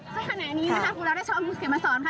ซึ่งขณะนี้นะคะคุณรัชพรคุณเขียนมาสอนค่ะ